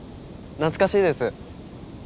懐かしいです。